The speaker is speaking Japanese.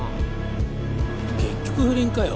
結局不倫かよ。